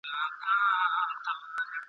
زلزلې نه ګوري پښتون او فارسي وان وطنه !.